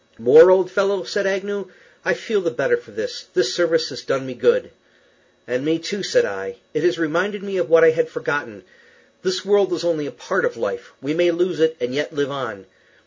"More, old fellow," said Agnew, "I feel the better for this; the service has done me good." "And me too," said I. "It has reminded me of what I had forgotten. This world is only a part of life. We may lose it and yet live on.